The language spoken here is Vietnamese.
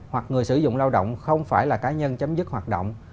hoặc người sử dụng lao động không phải là cá nhân chấm dứt hoạt động